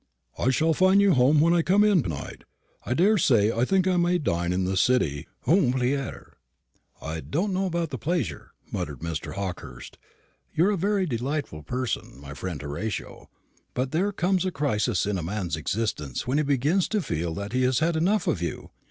I shall find you at home when I come in to night, I daresay. I think I may dine in the city. Au plaisir." "I don't know about the pleasure," muttered Mr. Hawkehurst. "You're a very delightful person, my friend Horatio; but there comes a crisis in a man's existence when he begins to feel that he has had enough of you.